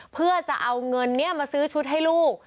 เพื่อจะเอาเงินนี้มาซื้อชุดให้ลูก